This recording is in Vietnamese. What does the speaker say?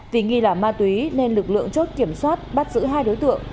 vì nghi là ma túy nên lực lượng chốt kiểm soát bắt giữ hai đối tượng